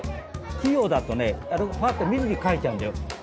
器用だとねパッと見ずに描いちゃうんだよ。